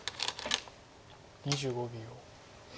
２５秒。